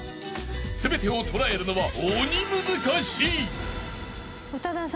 ［全てを捉えるのは鬼難しい］